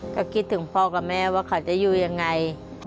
ก็คิดถึงพ่อกับแม่ว่าเขาจะอยู่ยังไง